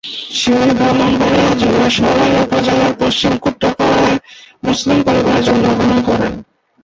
শিউলি ব্রাহ্মণবাড়িয়া জেলার সরাইল উপজেলার পশ্চিম কুট্টাপাড়ায় মুসলিম পরিবারে জন্মগ্রহণ করেন।